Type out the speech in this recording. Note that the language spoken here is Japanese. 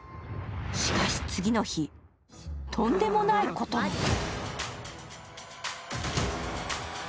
しかし、次の日、とんでもないことが。